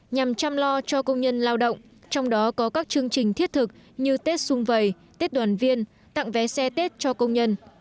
nhằm chăm lo cho công nhân lao động trong đó có các chương trình thiết thực như tết sung vầy tết đoàn viên tặng vé xe tết cho công nhân